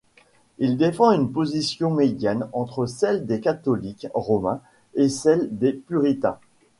Il défend une position médiane entre celle des catholiques romains et celle des puritains.